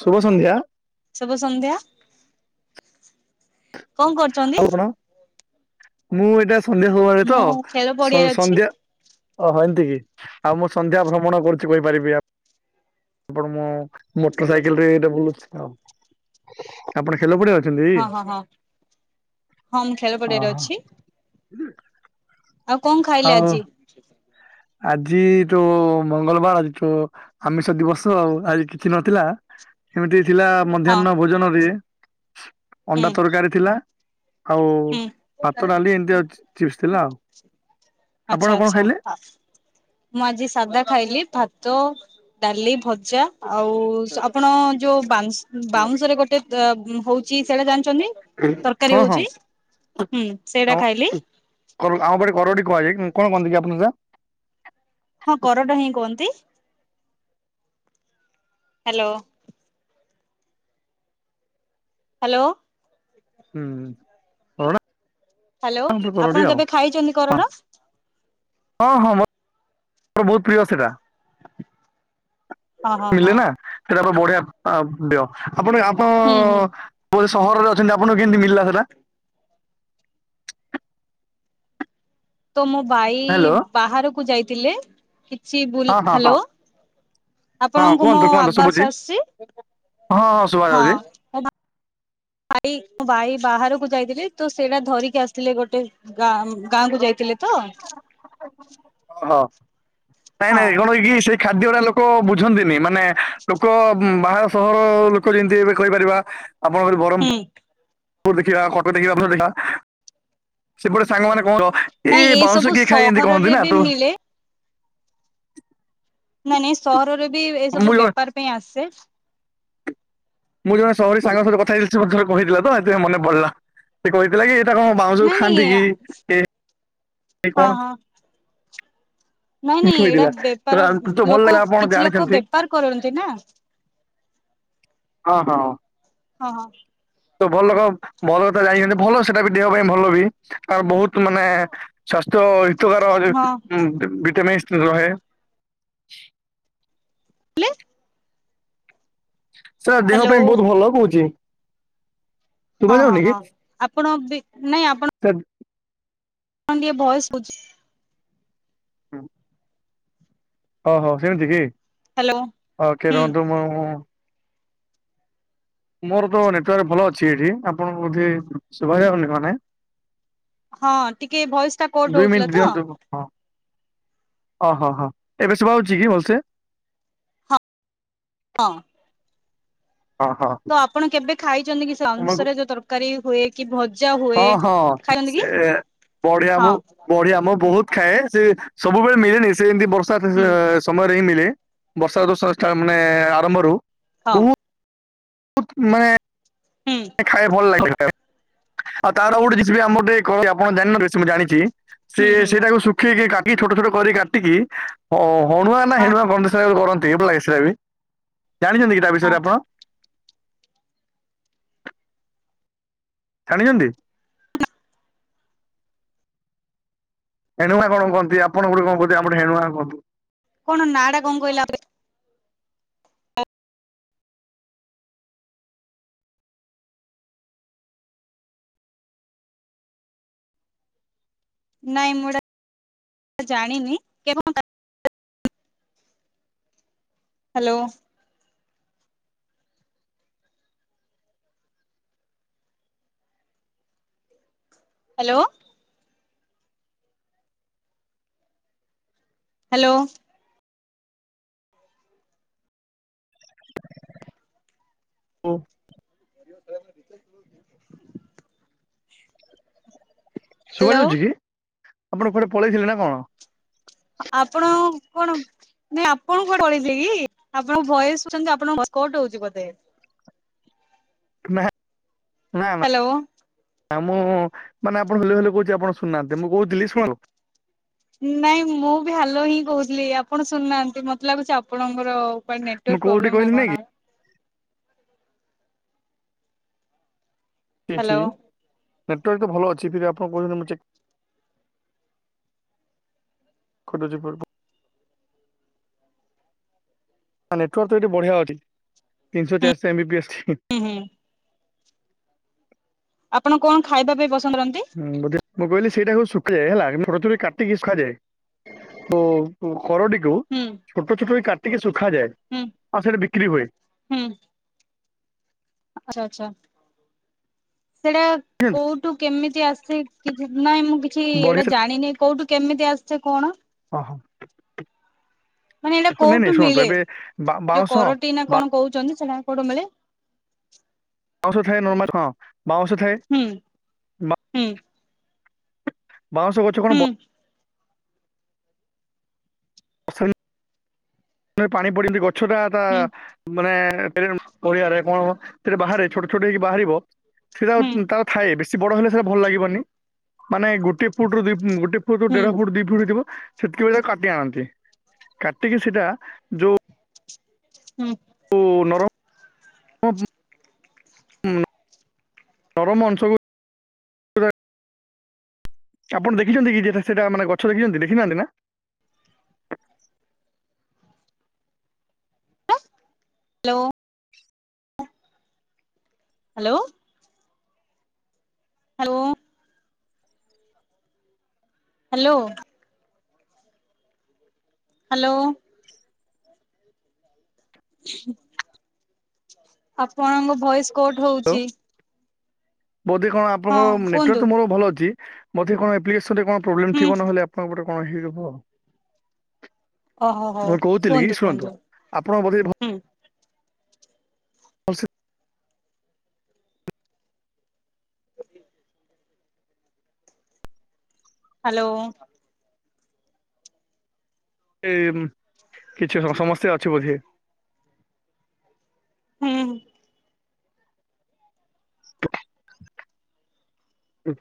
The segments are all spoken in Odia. ଶୁଭ ସନ୍ଧ୍ୟା। ଶୁଭ ସନ୍ଧ୍ୟା। କଣ କରୁଛନ୍ତି? ଆଉ କଣ ମୁଁ ଏଇଟା ସନ୍ଧ୍ୟା ସମୟରେ ମୁଁ ତ ଖେଳ ସ ପଡିଆରେ ଅଛି ସନ୍ଧ୍ୟା ଓହ ଏମିତି କି ଆଉ ମୁଁ ସନ୍ଧ୍ୟା ଭ୍ରମଣ କରୁଛି କହିପାରିବି ଆ ଆପଣ ମୁଁ ମଟ ସାଇକେଲରେ ଏଟା ବୁଲୁଛି ଆଉ ଆପଣ ଖେଲ ପଡ଼ିଆ ହଁ ହଁ ହଁ ହଁ ମୁଁ ଖେଳ ପଡ଼ିଆରେ ଓହୋ ଅଛି। ଆଉ କଣ ଖାଇଲେ ଆଉ ଆଜି? ଆଜି ଟୁ ମଙ୍ଗଳବାର ଆଜିଠୁ ଆମିଷ ଦିବସ ଆଉ ଆଜି କିଛି ନଥିଲା ଏମିତି ଥିଲା ହଁ ମଧ୍ୟାହ୍ନ ଭୋଜନରେ ହୁଁ ଅଣ୍ଡା ତରକାରୀ ଥିଲା। ଆଉ ହୁଁ ଭାତ ଡ଼ାଲି ଏମିତି ଆଉ ଚି ଚିପ୍ସ ଥିଲା ଆଉ ଆଚ୍ଛା ଆପଣ କଣ ଆଚ୍ଛା ଖାଇଲେ? ମୁଁ ଆଜି ସାଦା ଖାଇଲି ଭାତ ଡ଼ାଲି ଭଜା। ଆଉ ସ ଆପଣ ଯୋଉ ବାଂଶ୍ ବାଉଁଶରେ ଗୋଟେ ତ ହଉଛି ସେଟା ଜାଣିଚନ୍ତି? ତରକାରୀ ହଁ ହଁ ହଉଚି। ଆମ ପାଟେ କରଡି କୁହାଯାଏ କଣ କୁହନ୍ତି କି ଆପଣ ସା ହଁ କରଟ ହିଁ କୁହନ୍ତି। ହ୍ୟାଲୋ। ହ୍ୟାଲୋ। ହୁଁ ହୁଁ। ହ୍ୟାଲୋ କରଡି ଆପଣ ଆଉ କେବେ ଖାଇଛନ୍ତି ହଁ କରଡ଼? ହଁ ହଁ ମୋ ମୋର ବହୁତ୍ ପ୍ରିୟ ସେଟା ହଁ ହଁ ପିଲେ ହଁ ନା ସେଟା ପା ବଢ଼ିଆ ଆ ଡ଼ିଅ ଆପଣ ଆପ ହୁଁ ହୁଁ ବୋ ସହରରେ ଅ ଚନ୍ତି ଆପଣଙ୍କୁ କେମିତିି ମିଲା ସେଟା? ତ ମୋ ବାଇ ହ୍ୟାଲୋ ବାହାରକୁ ଯାଇଥିଲେ କିଛି ବୁଲ୍ ହଁ ହଁ ହଁ ହ୍ୟାଲୋ ହଁ ଆପଣଙ୍କୁ ମୋ କୁହନ୍ତୁ କୁହନ୍ତୁ ଆବାସ୍ ଶୁଭୁଛି ଆସିଛି? ହଁ ହଁ ଶୁଭା ଯାଉଚି। ଭାଇ ମୋ ଭାଇ ବାହାରକୁ ଯାଇଥିଲେ ତ ସେଇଟା ଧରିକି ଆସିଥିଲେ ଗୋଟେ ଗାଁ ଗାଁ କୁ ଯାଇଥିଲେ। ତ ହଁ ନାଇଁ ହଁ ନାଇଁ କଣକି ସେ ଖାଦ୍ୟଟା ଲୋକ ବୁଝନ୍ତିନି ମାନେ ଲୋକ ଉମ୍ ବାହାର ସହର ଲୋକ ଯେମିତି ଏବେ କହିପାରିବା ଆପଣଙ୍କର ବରହମ୍ ପୁର୍ ହୁଁ [unintelligible] ସେପଟେ ସାଙ୍ଗମାନେ ଙ୍କ ର ଏ ନାଇଁ ଏ ବାଉଁଶ ସବୁ କିଏ ଖାଇଛନ୍ତି ଏମିତି କହନ୍ତି ସହରରେ ନା? ବି ତ ମିଳେ ନାଇଁ, ନାଇଁ ସହରରେ ବି ଏସବୁ ମୁଁ ବେପାର ପାଇଁ ଆସେ। ମୁଁ ଜଣେ ସହରୀ ସାଙ୍ଗ ସହିତ କଥା ହୋଇଥିଲି, ସେ ମତେ ଥରେ କହିଥିଲା ତ ସେଥିପାଇଁ ମନେ ପଡିଲା, ସେ କହିଥିଲା କି ଏଇଟା କଣ ବାଉଁସ ନାଇଁ ନାଇଁ ଖାନ୍ତି କି ଏ ହଁ, ହଁ। ନାଇଁ ନାଇଁ ଏଇଟା ହେଇଥିଲା ତ ବେପାର ତ ଭଲ ଲୋକ ଲାଗିଲା ଆପଣ କିଛି ଲୋକ ଜାଣିଛନ୍ତି। ବେପାର କରନ୍ତି ନା ହଁ, ହଁ। ହଁ, ହଁ ତ ଭଲ ଲୋକ, ଭଲ କଥା ଜାଣିଛନ୍ତି, ଭଲ ସେଟା ବି ଦେହ ପାଇଁ ଭଲ ବି ଆର ବହୁତ ମାନେ ସ୍ୱାସ୍ଥ୍ୟ ହିତକାର ହଁ ଭିଟାମିନ୍ସ ରହେ। ହେଲେ। ସେଟା ଦେହ ପାଇଁ ବହୁତ ଭଲ କହୁଛି। ଶୁଭା ହଁ, ହଁ, ଯାଉନି ହଁ, ଆପଣ ବି ନାଇଁ ଆପଣ ତ କଣ ଟିକେ ଭଏସ୍ କହୁଛି। ହଁ ହ ହ ହଉ ସେମିତି କି ହ୍ୟାଲୋ ଓକେ ହୁଁ ରୁହନ୍ତୁ ମ ମୁଁ। ମୋର ତ ନେଟୱର୍କ୍ ଭଲ ଅଛି ଏଠି ଆପଣଙ୍କୁ ବୋଧେ ଶୁଭା ଯାଉନି ମାନେ ହଁ, ଟିକେ ଭଏସ୍। ଦୁଇ ମିନିଟ୍ ଦିଅନ୍ତୁ ହଁ ଓ ହଁ, ହଁ ଏବେ ଶୁଭା ଯାଉଛି କି ଭଲସେ? ହଁ ହଁ, ହଁ ତ ଆପଣ କେବେ ଖାଇଛନ୍ତି କି ସେ ତମକୁ [unintelligible] ରେ ଯୋଉ ତରକାରୀ ହୁଏ କି ଭଜା ହୁଏ। ହଁ, ହଁ, ଖାଇଛନ୍ତି ସେ କି ବଢିଆ ହଁ ମୁଁ ବଢିଆ ମୁଁ ବହୁତ ଖାଏ, ସେ ସବୁବେଳେ ମିଳେନି ସେ ଏମତି ବର୍ଷା ହୁଁ ସମୟରେ ହିଁ ମିଳେେ ବର୍ଷା ଜୋ ମାନେ ଆରମ୍ଭରୁ ହଁ ବହୁତ ହୁତ୍ ମାନେ। ହୁଁ ଖାଇ ବାକୁ ଭଲ ଲାଗେ ଆଉ ତାର ଗୋଟେ କିଛି ବି ଆମୁକୁ ଗୋଟେ କହେ ଆପଣ ଜାଣିନ ଥିବେ ସେ ମୁଁ ଜାଣିଛି। ସେ ହୁଁ ହୁଁ ସେଇଟାକୁ ଶୁଖେଇିକି, କାଟିକି ଛୋଟ ଛୋଟ କରି କାଟିକି, ଅ ହଣୁଆ ନା ହଁ ହେଣୁଆ ଗଣ କରନ୍ତି ହେଲା କି ସେଟା ବି ଜାଣିଛନ୍ତି କି ତା ହଁ ବିଷୟରେ ଆପଣ? ଛାଣିଛନ୍ତି। ହେ ନ କହନ୍ତି ଆପଣ ଗୋଟ କଣ କହନ୍ତି ହେଣୁ ନା କୁହନ୍ତି। କଣ ନାଁ ଟା କଣ କହିଲେ ଆପ ନାଇଁ ମୁଁ ଏଟା ଜାଣିନି କେ [unintelligible] ହେଲୋ ହେଲୋ ହେଲୋ ହୋ [unintelligible] ଶୁଭା ହ୍ୟାଲୋ ଯାଉଛି କି ଆପଣ କୁଆଡେ ପଳେଇଥିଲେ ନା କଣ? ଆପଣ କଣ? ନାଇଁ ଆପଣଙ୍କୁ କୁଆଡେ ପଳଇଥିଲେ କି? ଆପଣଙ୍କ ଭୟସ ଦଉଛନ୍ତି ଆପଣଙ୍କ ଭୟସ୍ କଟ୍ ହଉଛି ବୋଧେ। ନା, ନା, ନା। ହ୍ୟାଲୋ ଆଉ ମୁଁ ମାନେ ଆପଣ ହେଲୋ ହେଲୋ କହୁଛି ଆପଣ ଶୁନାହାନ୍ତି, ମୁଁ କହୁଥିଲି ଶୁଣୁନ୍ତୁ ନାଇଁ ମୁଁ ବି ହାଲୋ ହିଁ କହୁଥିଲି ଆପଣ ଶୁଣି ନାହାନ୍ତି ମତେ ଲାଗୁଛି ଆପଣଙ୍କର ବଟ ମୁଁ ନେଟୱର୍କ୍ କୋଉଠି ପ୍ରବ୍ଲେମ୍ ନା କହିଲି ନାଇଁ କି କଣ? ଠି ହାଲୋ ନେଟୱାର୍କ ଭଲ ଅଛି ଦିଦି ଆପଣ କହୁଛନ୍ତି ମୁଁ ଚେକ୍ କରିଦଉଛି, [unintelligible] ନା ନେଟୱାର୍କ ତ ଏଠି ବଢିଆ ଅଛି ତିନିଶ ଚାରିଶ ଏମ ବି ହୁଁ ଆପଣ କଣ ଖାଇବା ପାଇଁ ପସନ୍ଦ କରନ୍ତି? ହଁ ବୋଧେ ମୁଁ କହିଲି ସେଇଟାକୁ ଶୁଖେ ହେଲା ମଝିରେ କାଟିକି ଶୁଖାଯାଏ। ଓ କରଟିକୁ ହୁଁ ଛୋଟ ଛୋଟ ବି କାଟିକି ଶୁଖାଯାଏ। ହୁଁ ଆଉ ସେଇଠି ବିକ୍ରି ହୁଏ। ହୁଁ ଆଚ୍ଛା ଆଚ୍ଛା ସେଟା ବୁଝିଛନ୍ତି କୋଉଠୁ କେମିତି ଆସି କି ନାଇଁ ମୁଁ କିଛି ବଢିଆ ଏଇଟା ସେ- ଜାଣିନି କୋଉଠୁ କେମିତି ଆସିଛେ କଣ? [unintelligible] ମାନେ ଏଇଟା ନାଇଁ ନାଇଁ କୋଉଠୁ ଶୁଣନ୍ତୁ ମିଳେ ଏବେ ବା- ଯୋଉ ବାଉଁଶ କରୋଟି ନା କଣ କହୁଛନ୍ତି ସେଟା କୋଉଠୁ ମିଳେ? ବାଉଁଷ ଥାଏ ନର୍ମଲ ହଁ ବାଉଁଷ ଥାଏ। ହୁଁ ବା- ହୁଁ। ବାଉଁଶ ଗଛ କଣ ହୁଁ ଅସ ପାଣି ପଡନ୍ତି ଗଛଟା ତା ହୁଁ ମାନେ ପଡିଆରେ କଣ ସେଟା ବାହାରେ ଛୋଟ ଛୋଟ ହେଇକି ବାହାରିବ ସେଇଟା ହୁଁ ତାର ଥାଏ ବେଶୀ ବଡ ହେଲେ ସେଇଟା ଭଲ ଲାଗିବନି ମାନେ ଗୋଟେ ଫୁଟ ରୁ ଦି ଗୋଟେ ଫୁଟୁ ହୁଁ ଦେଢ ଫୁଟ ବୁଡିଥିବ ସେତିକି ବେଳେ ତା କାଟି ଆଣନ୍ତି କାଟିକି ସେଇଟା ଯୋଉ ହୁଁ। କୁ ନର [unintelligible] ନର କଂସକୁ ଆପଣ ଦେଖିଛନ୍ତି କି ଯେଟା ସେଟା ମାନେ ଗଛ ଦେଖିଛନ୍ତି ଦେଖିନାହାନ୍ତି ନା? Hello hello. Hello. Hello. Hello. ଆପଣଙ୍କ ଭଏସ କଟ ହ୍ୟାଲୋ ହୋଉଚି। ବୋଧେ କଣ ଆପଣଙ୍କ କୁହନ୍ତୁ ନେଟୱାର ମୋର ଭଲ ଅଛି, ବୋଧେ କଣ ପ୍ରବଲେମ୍ ହୁଁ ଥିବ ନହେଲେ ଆପଣଙ୍କ କଣ ହେଇିବ ଆ ଓହୋ ହଉ ମୁଁ କହୁଥିଲି କୁହନ୍ତୁ କୁହନ୍ତୁ ଶୁଣନ୍ତୁ ଆପଣଙ୍କ ବଧେ ହୁଁ। ଭ- ହ୍ୟାଲୋ। ଏଇ କିଛି ସମସ୍ୟା ଅଛି ବୋଧେ? ହୁଁ। ହୁଁ!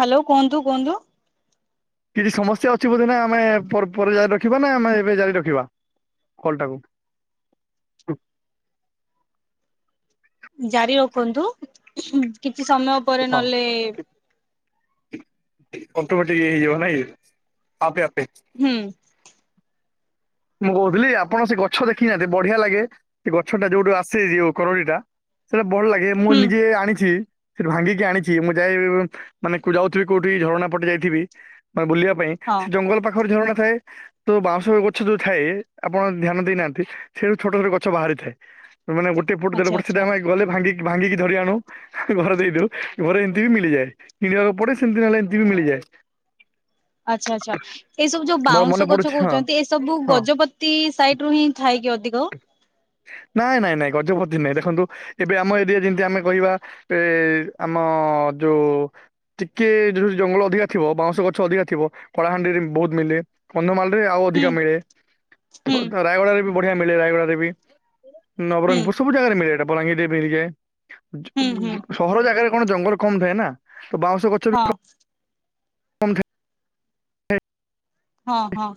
ହ୍ୟାଲୋ କୁହନ୍ତୁ କୁହନ୍ତୁ? କିଛି ସମସ୍ୟା ଅଛି ବୋଧେ ନା ଆମେ ପର୍ ପରେ ଜାରି ରଖିବା ନା ଆମେ ଏବେ ଜାରି ରଖିବା ଟାକୁ ଜାରି ରଖନ୍ତୁ କିଛି ସମୟ ପରେ ନହେଲେ ହଁ। ଅଟମେଟିକ ହେଇଜିବ ନାଁଇ ଆପେ ଆପେ। ହୁଁ। ମୁଁ କହୁଥିଲି ଆପଣ ସେ ଗଛ ଦେଖିନାହାନ୍ତି ବଢିଆ ଲାଗେ, ସେ ଗଛ ଟା ଯୋଉଠୁ ଆସେ ଯଉ କରଡିଟା ସେଇଟା ଭଲ ଲାଗେ ମୁଁ ହୁଁ ନିଜେ ଆଣିଚି। ସେଠୁ ଭାଙ୍ଗିକି ଆଣିଛି ମୁଁ ଯାଇ ମାନେ ଯାଉଥିଲି କୋଉଠି ଝରଣା ପଟେ ଯାଇଥିବି ମାନେ ବୁଲିବା ପାଇଁ ହଁ ସେ ଜଙ୍ଗଲ ପାଖରେ ଝରଣା ଥାଏ ତ ବାଉଁଶ ଗଛ ଯୋଉ ଥାଏ ଆପଣ ଧ୍ୟାନ ଦେଇନାହାନ୍ତି ସେଇଠୁ ଛୋଟ ଛୋଟ ଗଛ ବାହାରିଥାଏ, ମାନେ ଗୋଟେ ପଟ ଦେଲେ ଆଚ୍ଛା ପଟ ସେ ଆଚ୍ଛା ଆମେ ଗଲେ ଭାଙ୍ଗିକି ଭାଙ୍ଗିକି ଧରି ଆଣୁ ଘରେ ଦେଇଦଉ ଘରେ ଏମିତି ବି ମିଳିଯାଏ କିଣିବାକୁ ପଡେ ସେମିତି ନହେଲେ ଏମିତି ବି ମିଳିଯାଏ। ଆଚ୍ଛା ଆଚ୍ଛା ଏଇସବୁ ଯୋଉ ମୋର ମନେ ବାଉଁଶ ଗଛ ପଡୁଛି ହଁ କହୁଛନ୍ତି ଏସବୁ ହଁ ଗଜପତି ଦିସାଇଡ ରୁ ହିଁ ଥାଇକି ଅଧିକ? ନାଇଁ ନାଇଁ ନାଇଁ ଗଜପତି ନାଇଁ ଦେଖନ୍ତୁ ଏବେ ଆମ ଏରିଆ ଯେମିତି ଆମେ କହିବା ଏ ଆମ ଯୋଉ ଟିକେ [unintelligible] ଜଙ୍ଗଲ ଅଧିକା ଥିବ ବାଉଁଶ ଗଛ ଅଧିକା ଥିବ କଳାହାଣ୍ଡିରେ ବହୁତ ମିଲେ। କନ୍ଧମାଳ ରେ ଆଉ ହୁଁ ଅଧିକା ମିଳେ! ହୁଁ ରାୟଗଡ଼ା ରେ ବି ବଢ଼ିଆ ମିଳେ ରାୟଗଡ଼ାରେ ବି ହୁଁ ନବରଙ୍ଗପୁର ସବୁ ଜାଗାରେ ମିଳେ ଏଇଟା। ବଲାଙ୍ଗୀରରେ ମିଳିଯାଏ ଜ ହୁଁ ହୁଁ ଜ ସହର ଜାଗାରେ କଣ ଜଙ୍ଗଲ କମ ଥାଏ ନା ତ ବାଉଁଶ ଗ ହଁ। [unintelligible] ହଁ ହଁ।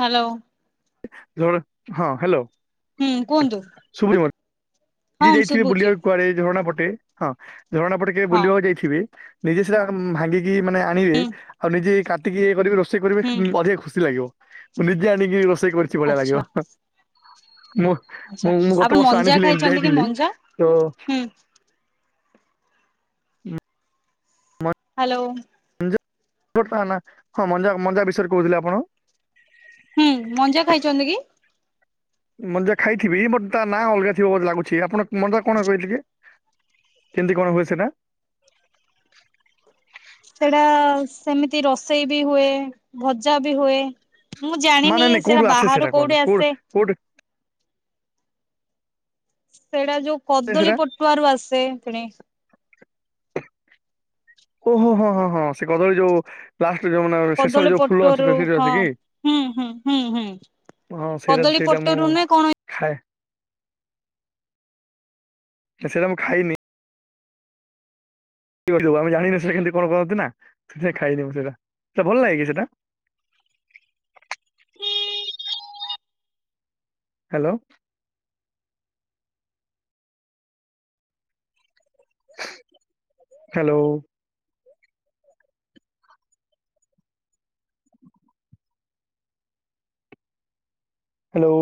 ହ୍ୟାଲୋ [unintelligible] ହଁ ହ୍ୟାଲୋ। ହୁଁ କୁହନ୍ତୁ ସୁବିନି କି ହଁ ଯାଇଥିବେ ଶୁଭୁଛି ବୁଲିବାକୁ କୁଆଡ଼େ ଝରଣା ପଟେ ହଁ ଝରଣା ପଟେ କେବେ ହଁ ବୁଲିବାକୁ ଯାଇଥିବେ ନିଜେ ସେଇଟା ଭାଙ୍ଗିକି ମାନେ ଆଣିବେ ହୁଁ ଆଉ ନିଜେ କାଟିକି ଇଏ କରିବେ ରସ୍ ଷେଇ କରିବେ ହୁଁ ଅଧିକ ଖୁସି ଲାଗିବ ମୁଁ ନିଜେ ଆଣିକି ରୋଷେଇ କରିଛି ଭଳିଆ ଆଚ୍ଛା ଲାଗିବ। ମୁଁ ଆଚ୍ଛା ମୁଁ ମୁଁ ଆପଣ ଗତ ବର୍ଷ ମଞ୍ଜା ଆଣିଥିଲି ଏମିତି ଖାଇଛନ୍ତି କି ଯାଇଥିଲି ମଞ୍ଜା ତ ହୁଁ ମଞ୍ଜା ହ୍ୟାଲୋ [unintelligible] ହଁ ମଞ୍ଜା ମଞ୍ଜା ବିଷୟରେ କହୁଥିଲେ ଆପଣ। ହୁଁ ମଞ୍ଜା ଖାଇଛନ୍ତି କି? ମଞ୍ଜା ଖାଇଥିବି ବଟ୍ ତା ନାଁ ଅଲଗା ଥିବ ବୋଲି ଲାଗୁଛି ଆପଣ ମଞ୍ଜା କଣ କହିଲେ ଟିକେ କେମିତି କଣ ହୁଏ ସେଟା? ସେଟା ସେମିତି ରଷେଇ ବି ହୁଏ ଭଜା ବି ହୁଏ। ମୁଁ ମାନେ ଜାଣିନି ନାଇଁ କୋଉଠୁ ସେଟା ଆସେ ବାହାରୁ କୁହନ୍ତୁ କୋଉଠୁ କୋଉ ଆସେ। କୋଉଠୁ? ସେଇଟା ଯୋଉ ଆସେ କଦଳୀ ସେଟା ପଟୁଆ ରୁ ଆସେ ପୁଣି ଓହୋ ହଁ ହଁ ହଁ ସେ କଦଳୀ ଯୋଉ ଲ। ଷ୍ଟ ଯୋଉ ମାନ ଶେଷରେ କଦଳୀ ଯୋଉ ପୂଳ ଅଛି ପଟୁଆରୁ ଟ ସେଠୁ ଆସେ ହଁ କିି? ହୁଁ ହୁଁ ହୁଁ ହୁଁ ହଁ ସେଇଟା ତ କଦଳୀ ସେଇଟା ମୁଁ ପଟୁଆରୁ ନା କଣ ଖାଏ ସେଇଟା ମୁଁ ଖାଇନି। [unintelligible] ଆମେ ଜାଣିନୁ ସେଟା କେମତି କଣ କରନ୍ତି ନା ସେଥିପାଇଁ ଖାଇନୁ ସେଟା ସେଟା ଭଲ ଲାଗେ କି ସେଇଟା? ହ୍ୟାଲୋ। ହ୍ୟାଲୋ! ହ୍ୟାଲୋ!